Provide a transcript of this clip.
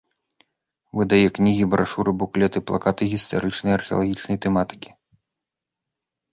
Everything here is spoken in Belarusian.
Выдае кнігі, брашуры, буклеты, плакаты гістарычнай і археалагічнай тэматыкі.